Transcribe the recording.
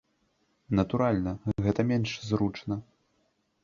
Натуральна, гэта менш зручна.